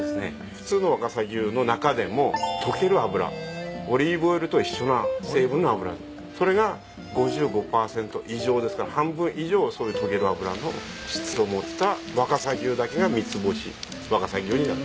普通の若狭牛の中でも溶ける脂オリーブオイルと一緒の成分の脂それが５５％以上ですから半分以上そういう溶ける脂の質を持った若狭牛だけが三ツ星若狭牛になる。